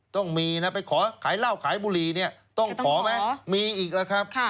ต้องมีนะไปขอขายเหล้าขายบุหรี่เนี่ยต้องขอไหมมีอีกแล้วครับ